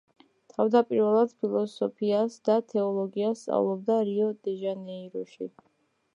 თავდაპირველად ფილოსოფიას და თეოლოგიას სწავლობდა რიო-დე-ჟანეიროში.